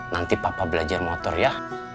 nanti papa belajar motor ya